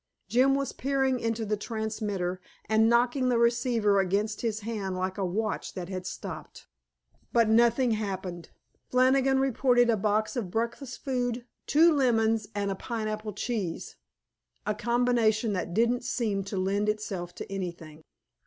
Jim was peering into the transmitter and knocking the receiver against his hand, like a watch that had stopped. But nothing happened. Flannigan reported a box of breakfast food, two lemons, and a pineapple cheese, a combination that didn't seem to lend itself to anything.